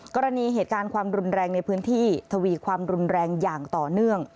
กรณีเหตุการณ์ความรุนแรงในพื้นที่ทวีความรุนแรงอย่างต่อเนื่อง